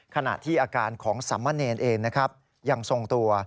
ขณะที่อาการของสัมมาเนรเองยังทรงตัว